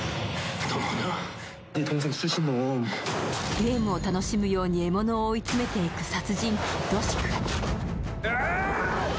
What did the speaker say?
ゲームを楽しむように獲物を追い詰めていく殺人鬼ドシク。